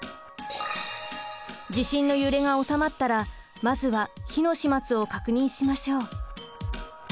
地震の揺れがおさまったらまずは火の始末を確認しましょう。